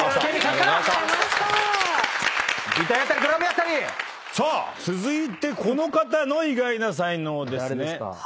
さあ続いてこの方の意外な才能ですね。